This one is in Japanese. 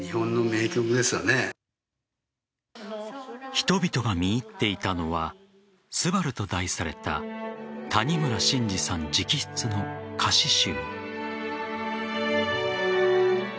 人々が見入っていたのは「昴」と題された谷村新司さん直筆の歌詞集。